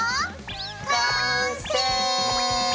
完成！